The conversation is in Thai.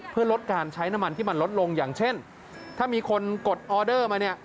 เพื่อลดการใช้น้ำมันที่มันลดลงอย่างเช่นถ้ามีคนกดออเดอร์มาเนี่ย